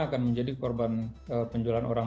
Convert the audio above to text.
akan menjadi korban penjualan orang